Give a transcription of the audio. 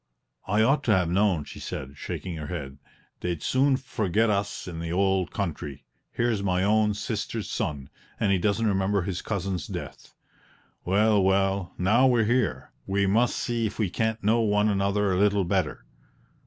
"I ought to have known," she said, shaking her head, "they'd soon forget us in the old country; here's my own sister's son, and he doesn't remember his cousin's death! Well, well, now we're here, we must see if we can't know one another a little better.